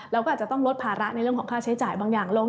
เราก็อาจจะต้องลดภาระในเรื่องของค่าใช้จ่ายบางอย่างลง